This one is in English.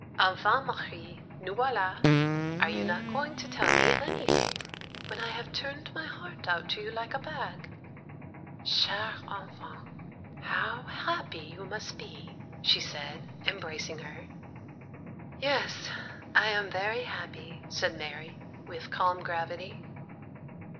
'Enfin, Marie, nous voilà! are you not going to tell me anything, when I have turned my heart out to you like a bag? Chère enfant! how happy you must be!' she said, embracing her. 'Yes, I am very happy,' said Mary, with calm gravity.